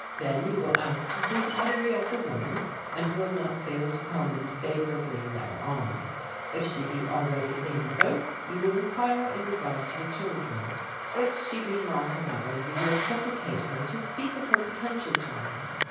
"Then you will ask to see the pedigree of the woman, and will not fail to comment favourably thereon. If she be already a mother you will inquire in regard to her children. If she be not a mother, you will supplicate her to speak of her potential children.